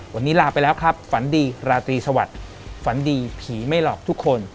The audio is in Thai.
วันนี้ลาไปแล้วครับฝันดีราตรีสวัสดิ์ฝันดีผีไม่หลอกทุกคน